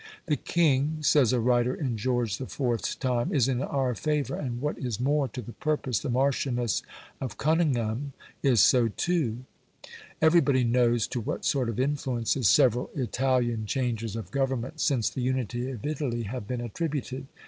"The king," says a writer in George IV.'s time, "is in our favour, and what is more to the purpose, the Marchioness of Conyngham is so too." Everybody knows to what sort of influences several Italian changes of Government since the unity of Italy have been attributed.